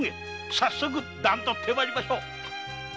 早速段取って参りましょう。